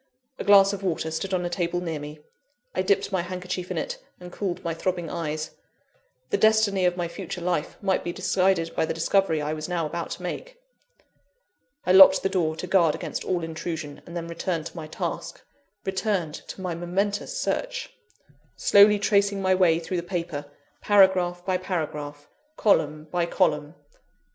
A glass of water stood on a table near me I dipped my handkerchief in it, and cooled my throbbing eyes. The destiny of my future life might be decided by the discovery I was now about to make! I locked the door to guard against all intrusion, and then returned to my task returned to my momentous search slowly tracing my way through the paper, paragraph by paragraph, column by column.